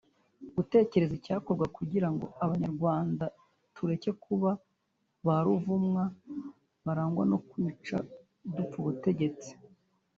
gutekereza icyakorwa kugirango abanyarwanda tureke kuba ba ruvumwa barangwa ko kwicana dupfa ubutegetsi